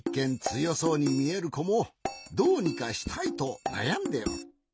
つよそうにみえるこもどうにかしたいとなやんでおる。